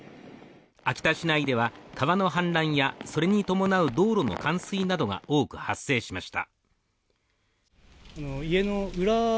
秋田市内では川の氾濫やそれに伴う道路の冠水などが多く発生しました。